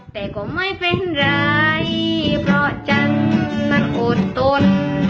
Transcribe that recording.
แต่ก็ไม่เป็นไรเพราะจังมันอดตน